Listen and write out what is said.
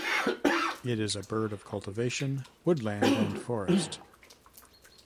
It is a bird of cultivation, woodland and forest.